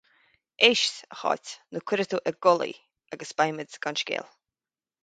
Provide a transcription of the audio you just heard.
Éist, a Cháit, nó cuirfidh tú ag gol í, agus beimid gan scéal.